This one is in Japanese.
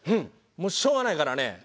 もうしょうがないからね